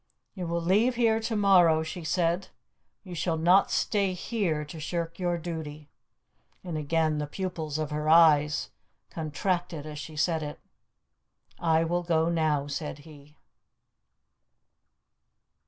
"You will leave here to morrow," she said; "you shall not stay here to shirk your duty"; and again the pupils of her eyes contracted as she said it. "I will go now," said he.